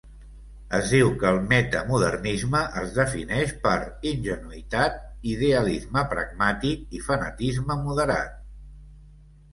Es diu que el metamodernisme es defineix per "ingenuïtat", "idealisme pragmàtic" i "fanatisme moderat".